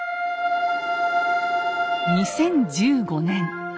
２０１５年。